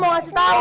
mau kasih tau